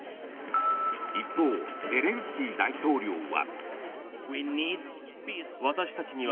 一方、ゼレンスキー大統領は。